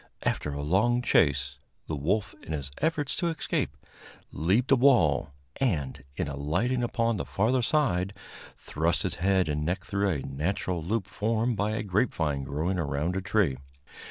After a long chase, the wolf, in his efforts to escape, leaped a wall, and, in alighting upon the farther side, thrust his head and neck through a natural loop formed by a grapevine growing around a tree.